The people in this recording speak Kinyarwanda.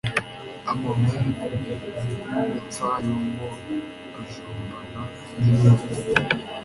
amahomvu y'umupfayongo ajombana nk'inkota